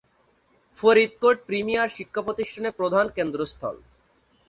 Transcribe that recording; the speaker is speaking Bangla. ফরিদকোট প্রিমিয়ার শিক্ষাপ্রতিষ্ঠানের প্রধান কেন্দ্রস্থল।